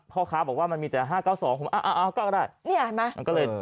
พ่อครับบอกว่ามันมีแต่๕๙๒อ่าก็ได้นี่อ่ะมา